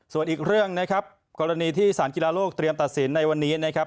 ส่วนอีกเรื่องนะครับกรณีที่สารกีฬาโลกเตรียมตัดสินในวันนี้นะครับ